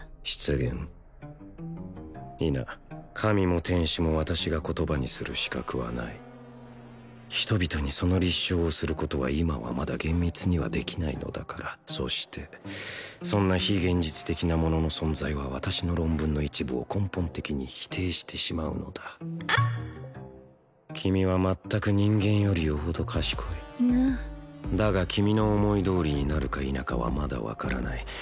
失言否神も天使も私が言葉にする資格はない人々にその立証をすることは今はまだ厳密にはできないのだからそしてそんな非現実的なものの存在は私の論文の一部を根本的に否定してしまうのだ君はまったく人間よりよほど賢いヌだが君の思いどおりになるか否かはまだ分からない